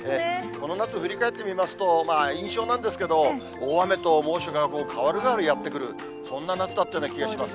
この夏振り返ってみますと、印象なんですけど、大雨と猛暑がかわるがわるやって来る、そんな夏だったような気がします。